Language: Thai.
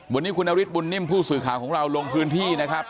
วันนี้คุณนฤทธบุญนิ่มผู้สื่อข่าวของเราลงพื้นที่นะครับ